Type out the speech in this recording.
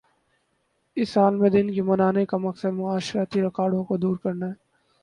اس عالمی دن کے منانے کا مقصد معاشرتی رکاوٹوں کو دور کرنا ہے